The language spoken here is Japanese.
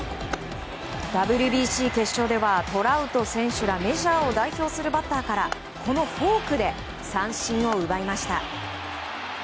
ＷＢＣ決勝ではトラウト選手らメジャーを代表するバッターから、このフォークで三振を奪いました。